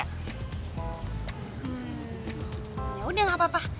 hmm yaudah gak apa apa